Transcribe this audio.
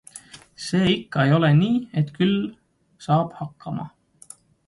See ikka ei ole nii, et küll saab hakkama.